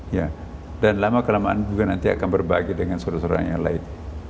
ya dan lama kelamaan juga nanti akan berbahagia dengan suruh suruh orang yang lain